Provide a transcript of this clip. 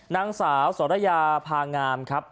นางสาวสรยาพางามครับ